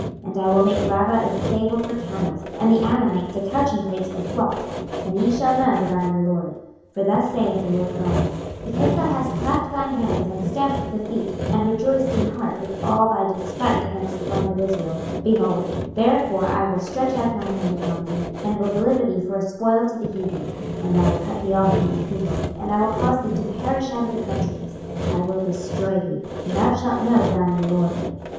26:025:005 And I will make Rabbah a stable for camels, and the Ammonites a couching place for flocks: and ye shall know that I am the LORD. 26:025:006 For thus saith the Lord GOD; Because thou hast clapped thine hands, and stamped with the feet, and rejoiced in heart with all thy despite against the land of Israel; 26:025:007 Behold, therefore I will stretch out mine hand upon thee, and will deliver thee for a spoil to the heathen; and I will cut thee off from the people, and I will cause thee to perish out of the countries: I will destroy thee; and thou shalt know that I am the LORD.